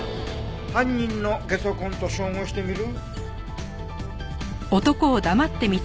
犯人のゲソ痕と照合してみる？